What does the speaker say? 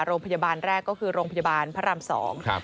โรงพยาบาลแรกก็คือโรงพยาบาลพระรามสอง